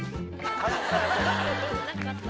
何かあった？